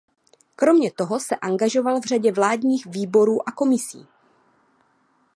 Kromě toho se angažoval v řadě vládních výborů a komisí.